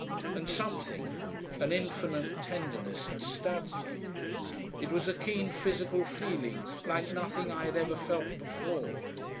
And something an infinite tenderness, stabbed me. It was a keen physical feeling, like nothing I had ever felt before.